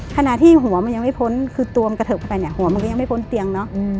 ขณะที่หัวมันยังไม่พ้นคือตัวมันกระเทิบเข้าไปเนี่ยหัวมันก็ยังไม่พ้นเตียงเนอะ